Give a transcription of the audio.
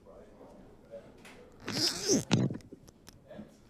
He soon afterward gave the character a name and employment at the Baxter household.